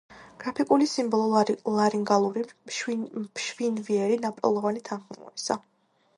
გრაფიკული სიმბოლო ლარინგალური ფშვინვიერი ნაპრალოვანი თანხმოვნისა.